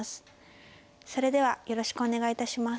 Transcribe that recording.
それではよろしくお願い致します。